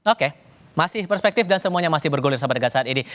oke masih perspektif dan semuanya masih bergulir sampai dengan saat ini